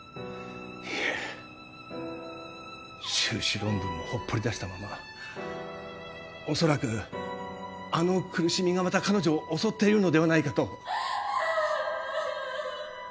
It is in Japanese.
いえ修士論文もほっぽり出したままおそらくあの苦しみがまた彼女を襲っているのではないかと。